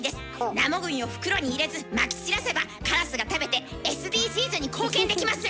生ゴミを袋に入れずまき散らせばカラスが食べてＳＤＧｓに貢献できます！